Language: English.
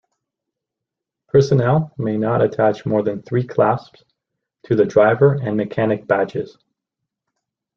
Personnel may not attach more than three clasps to the driver and mechanic badges.